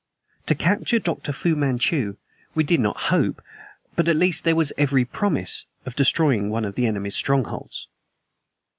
To capture Dr. Fu Manchu we did not hope; but at least there was every promise of destroying one of the enemy's strongholds.